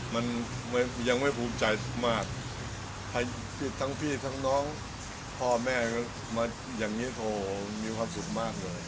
มันยังไม่ภูมิใจมากที่ทั้งพี่ทั้งน้องพ่อแม่มาอย่างนี้โถมีความสุขมากเลย